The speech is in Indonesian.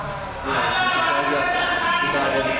tidak trakasi festa t priad karir serta fol deadern saudara indonesia